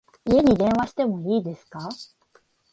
家に電話しても良いですか？